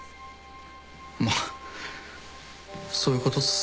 まあそういうことっす。